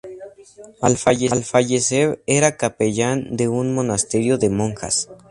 Al fallecer era capellán de un monasterio de monjas.